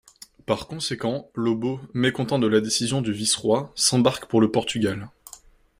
Par conséquent, Lobo, mécontent de la décision du vice-roi, s'embarque pour le Portugal.